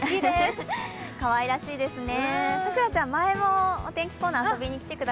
かわいらしいですね。